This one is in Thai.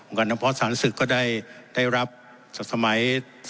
องค์การดำพอสภาษฐศึกก็ได้รับสมัย๒๑๕๖